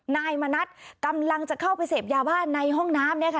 นายมณัฐกำลังจะเข้าไปเสพยาบ้าในห้องน้ำเนี่ยค่ะ